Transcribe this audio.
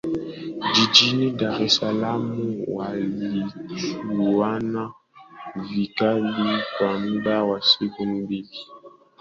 jijini Dar es Salaam walichuana vikali kwa muda wa siku mbili kutafuta wakali wenye